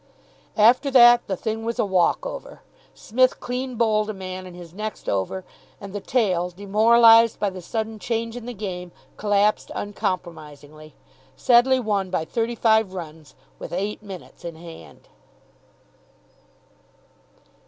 After that the thing was a walk over. Psmith clean bowled a man in his next over; and the tail, demoralised by the sudden change in the game, collapsed uncompromisingly. Sedleigh won by thirty five runs with eight minutes in hand.